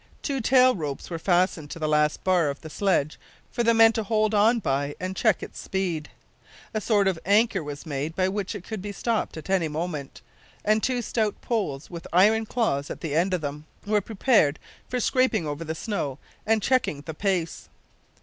Two tail ropes were fastened to the last bar of the sledge for the men to hold on by and check its speed. A sort of anchor was made by which it could be stopped at any moment, and two stout poles, with iron claws at the end of them, were prepared for scraping over the snow and checking the pace.